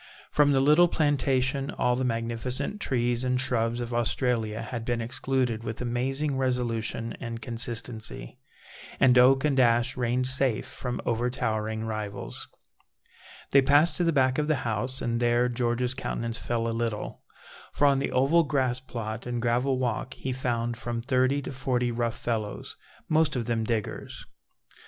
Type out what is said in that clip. From the little plantation, all the magnificent trees and shrubs of Australia had been excluded with amazing resolution and consistency, and oak and ash reigned safe from overtowering rivals. They passed to the back of the house, and there George's countenance fell a little, for on the oval grass plot and gravel walk he found from thirty to forty rough fellows, most of them diggers.